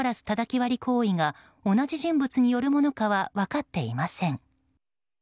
たたき割り行為が同じ人物によるものかは分かっていません。